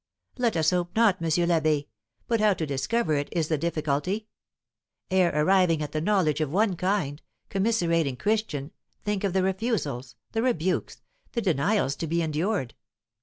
"Let us hope not, M. l'Abbé; but how to discover it is the difficulty. Ere arriving at the knowledge of one kind, commiserating Christian, think of the refusals, the rebukes, the denials to be endured.